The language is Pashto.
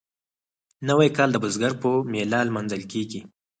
نوی کال د بزګر په میله لمانځل کیږي.